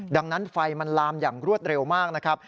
ดังนั้นไฟมันลามอย่างรวดเร็วมากนะครับ